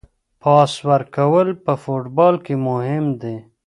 پاس ورکول په فوټبال کې مهم دي.